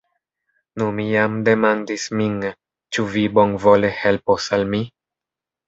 Nu, mi jam demandis min, ĉu vi bonvole helpos al mi?